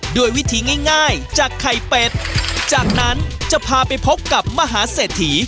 ด้วยวิธีง่ายจากไข่เป็ดจากนั้นจะพาไปพบกับมหาเศรษฐี